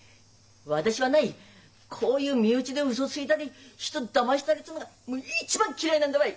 私はないこういう身内でウソついたり人だましたりっつうのが一番嫌いなんだわい！